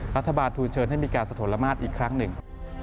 รัฐบาลทูลเชิญให้มีการสะทนละมาตรอีกครั้งหนึ่ง